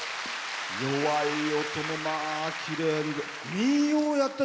弱い音もきれいに。